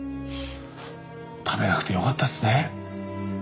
食べなくてよかったですね。